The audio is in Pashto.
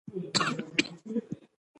د افغانستان په منظره کې یاقوت ښکاره ده.